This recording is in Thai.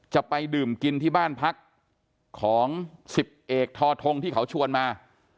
จะไปดื่มกินที่บ้านพักของ๑๐เอกทอทงที่เขาชวนมา